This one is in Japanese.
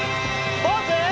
ポーズ！